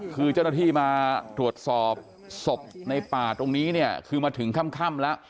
คือเจ้าหน้าที่มาตรวจสอบศพในป่าตรงนี้เนี่ยคือมาถึงค่ำแล้ว